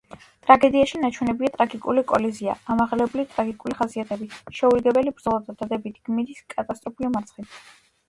ტრაგედიაში ნაჩვენებია ტრაგიკული კოლიზია, ამაღლებული ტრაგიკული ხასიათები, შეურიგებელი ბრძოლა და დადებითი გმირის კატასტროფული მარცხი.